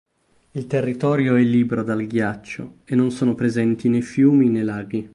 Il territorio è libero dal ghiaccio e non sono presenti né fiumi né laghi.